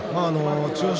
千代翔